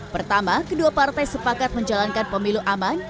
pertama kedua partai sepakat menjalankan pemilu aman